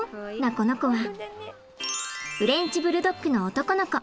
この子はフレンチ・ブルドッグの男の子。